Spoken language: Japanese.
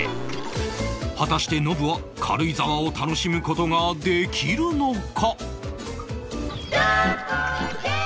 果たしてノブは軽井沢を楽しむ事ができるのか？